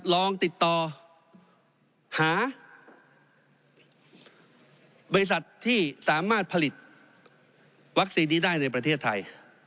ลองติดต่อหาบริษัทที่สามารถผลิตวัคซีนนี้ได้ในประเทศไทย